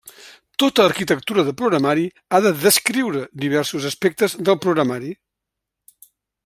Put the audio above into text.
Tota arquitectura de programari ha de descriure diversos aspectes del programari.